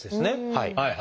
はい。